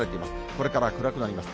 これから暗くなります。